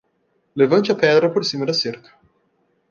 Levante a pedra por cima da cerca.